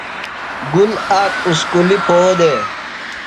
گُل آک اُسکُلیۡ پھو دےۡ۔